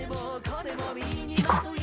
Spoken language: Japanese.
行こう。